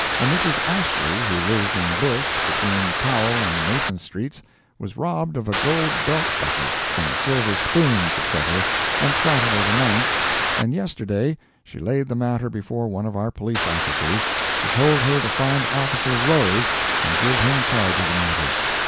A Mrs. Ashley, who lives in Bush between Powell and Mason streets, was robbed of a gold belt buckle, some silver spoons, etc., on Saturday, the 9th, and yesterday she laid the matter before one of our Police officers, who told her to find officer Rose and give him charge of the matter.